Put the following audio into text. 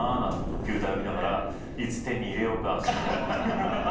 球体を見ながらいつ手に入れようか。